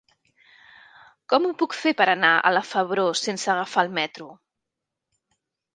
Com ho puc fer per anar a la Febró sense agafar el metro?